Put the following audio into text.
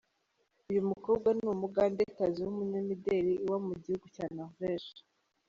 Uyu mukobwa ni Umugandekazi w’umunyamideli uba mu gihugu cya Norvege.